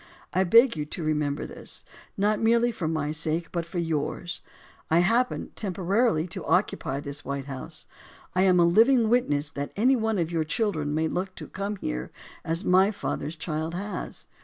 I beg you to remember this, not merely for my sake, but for yours. I hap pen, temporarily, to occupy this White House. I am a living witness that any one of your children may look to come here as my father's child has.